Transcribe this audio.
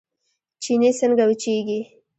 چينې څنګه وچیږي؟